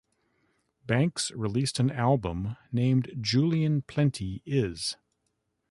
Banks released an album named Julian Plenti is...